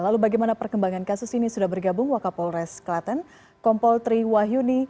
lalu bagaimana perkembangan kasus ini sudah bergabung wakapolres klaten kompol tri wahyuni